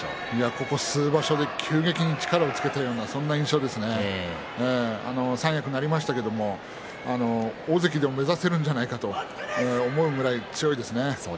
ここ数場所で急激に力をつけた印象ですね三役になりましたけれど大関も目指せるんじゃないかと思うぐらい強いですね。